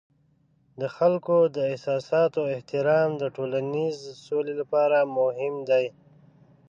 د خلکو د احساساتو احترام د ټولنیز سولې لپاره مهم دی.